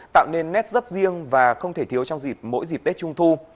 tạo nên nét rất riêng và không thể thiếu trong dịp mỗi dịp tết trung thu